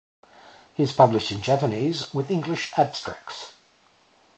It is published in Japanese with English abstracts.